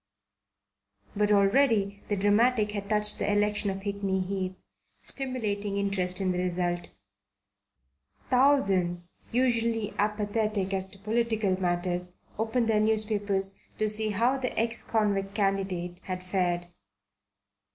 But already the dramatic had touched the election of Hickney Heath, stimulating interest in the result. Thousands, usually apathetic as to political matters, opened their newspapers to see how the ex convict candidate had fared.